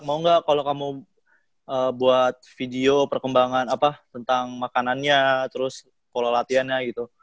mau nggak kalau kamu buat video perkembangan apa tentang makanannya terus pola latihannya gitu